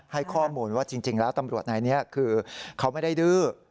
ให้ข้อมูลว่าจริงแล้วตำรวจนายนี้คือเขาไม่ได้ดื้อ